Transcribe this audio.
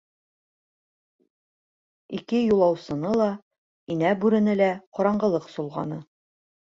Ике юлаусыны ла, Инә Бүрене лә ҡараңғылыҡ солғаны.